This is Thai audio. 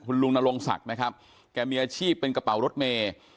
คุณลุงหน้าลงศักดิ์แกมีอาชีพเป็นเป็นกระเป๋ารถเมล์